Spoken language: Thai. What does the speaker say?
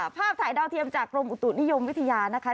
ภาพถ่ายดาวเทียมจากกรมอุตุนิยมวิทยานะคะ